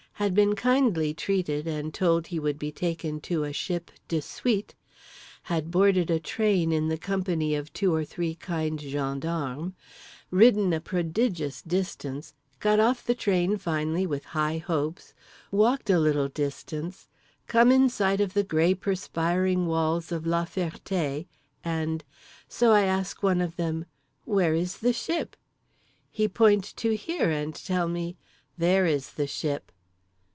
_"); had been kindly treated and told that he would be taken to a ship de suite—had boarded a train in the company of two or three kind gendarmes, ridden a prodigious distance, got off the train finally with high hopes, walked a little distance, come in sight of the grey perspiring wall of La Ferté, and—"So, I ask one of them: 'Where is the Ship?' He point to here and tell me, 'There is the ship.